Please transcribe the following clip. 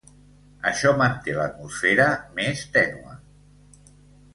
Això manté l'atmosfera més tènue.